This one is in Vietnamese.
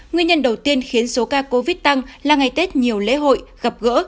nguyên nhân đầu tiên khiến số ca covid tăng là ngày tết nhiều lễ hội gặp gỡ